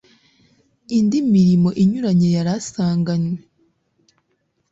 indi mirimo inyuranye yari asanganywe